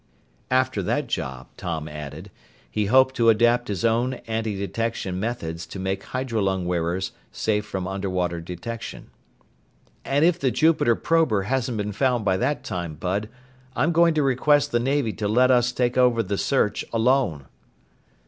After that job, Tom added, he hoped to adapt his own antidetection methods to make hydrolung wearers safe from underwater detection. "And if the Jupiter prober hasn't been found by that time, Bud, I'm going to request the Navy to let us take over the search alone."